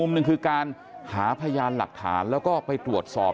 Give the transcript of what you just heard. หนึ่งคือการหาพยานหลักฐานแล้วก็ไปตรวจสอบ